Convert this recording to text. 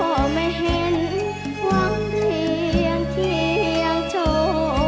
ก็ไม่เห็นหวังเพียงเคียงชม